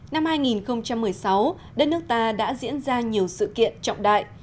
năm hai nghìn một mươi sáu đất nước ta đã diễn ra nhiều sự kiện trọng đại